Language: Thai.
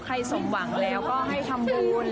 ใครสมหวังแล้วก็ให้ทำบูรณ์